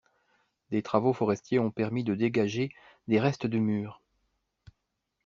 Des travaux forestiers ont permis de dégager des reste de murs.